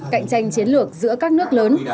cạnh tranh chiến lược giữa các nước lớn